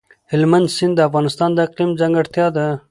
هلمند سیند د افغانستان د اقلیم ځانګړتیا ده.